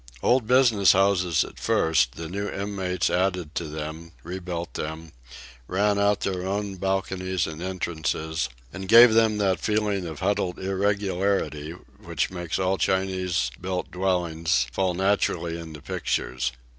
Old business houses at first, the new inmates added to them, rebuilt them, ran out their own balconies and entrances, and gave them that feeling of huddled irregularity which makes all Chinese built dwellings fall naturally into pictures.